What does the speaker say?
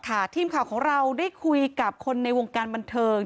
ทีมข่าวของเราได้คุยกับคนในวงการบันเทิง